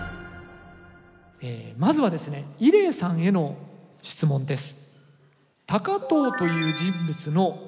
まずはですね伊礼さんへの質問です。